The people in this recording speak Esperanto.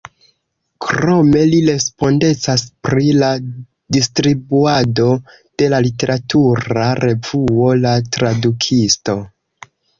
Krome li respondecas pri la distribuado de la literatura revuo La Tradukisto.